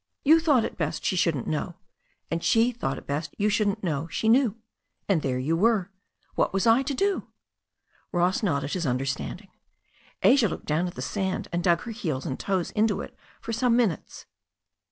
You thought it best she shouldn't know, and she thought it best you shouldn't know she knew. And there you were. What was I to do?" Ross nodded his understanding. Asia looked down at the sand, and dug her heels and toes into it for some minutes.